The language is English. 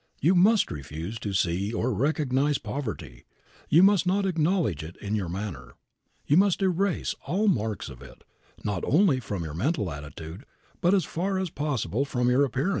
You must refuse to see or recognize poverty. You must not acknowledge it in your manner. You must erase all marks of it, not only from your mental attitude, but just as far as possible from your appearance.